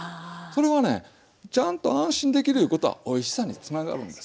それはねちゃんと安心できるいうことはおいしさにつながるんですよ。